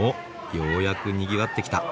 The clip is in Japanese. ようやくにぎわってきた。